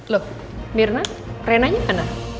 loh mirna renanya mana